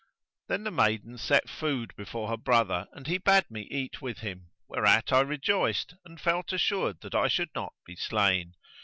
Then the maiden set food before her brother and he bade me eat with him, whereat I rejoiced and felt assured that I should not be slain.